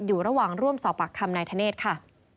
อยู่ระหว่างร่วมสอบปากคำนายธเนธค่ะ